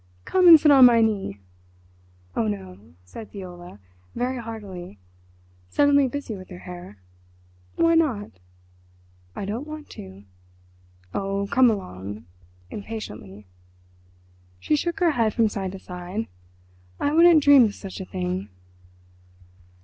"Come and sit on my knee." "Oh no," said Viola very heartily, suddenly busy with her hair. "Why not?" "I don't want to." "Oh, come along"—impatiently. She shook her head from side to side. "I wouldn't dream of such a thing."